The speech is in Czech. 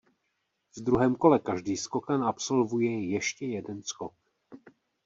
V druhém kole každý skokan absolvuje ještě jeden skok.